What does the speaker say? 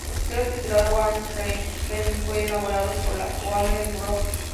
El tercero, titulado Wayne G. Remix, fue elaborado por la Warner Bros.